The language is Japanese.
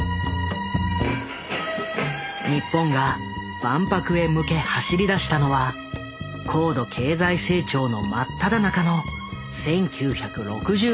日本が万博へ向け走りだしたのは高度経済成長の真っただ中の１９６０年代。